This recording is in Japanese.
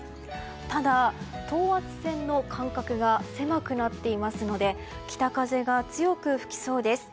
ただ、等圧線の間隔が狭くなっていますので北風が強く吹きそうです。